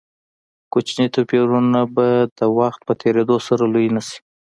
کوچني توپیرونه به د وخت په تېرېدو سره لوی نه شي.